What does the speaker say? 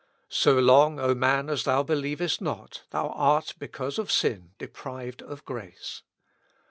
So long, O man, as thou believest not, thou art, because of sin, deprived of grace.